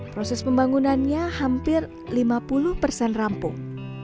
proses pembangunannya hampir lima puluh persen rampung